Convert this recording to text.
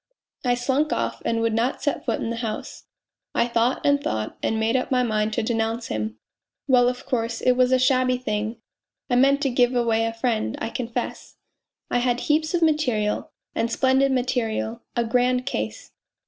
I slunk off and would not set foot in the house. I thought and thought and made up my mind to denounce him. Well, of course, it was a shabby thing I meant to give away a friend, I confess. I had heaps of material and splendid material a grand case.